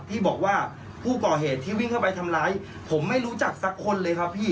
ที่บอกว่าผู้ก่อเหตุที่วิ่งเข้าไปทำร้ายผมไม่รู้จักสักคนเลยครับพี่